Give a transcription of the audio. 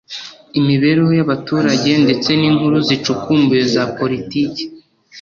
imibereho y’abaturage ndetse n’inkuru zicukumbuye za politiki